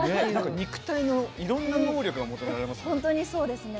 肉体のいろんな能力が求められますね。